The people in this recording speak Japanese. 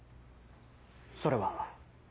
それは？